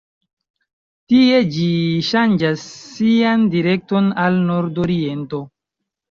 Tie ĝi ŝanĝas sian direkton al nordoriento.